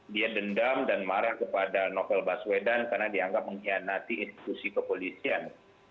dia dendam dan marah kepada novel baswedan karena dianggap mengkhianati institusi kepolisian